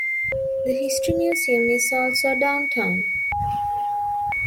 The history museum is also downtown.